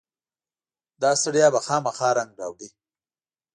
داستړیا به خامخا رنګ راوړي.